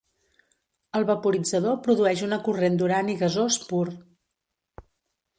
El vaporitzador produeix una corrent d'urani gasós pur.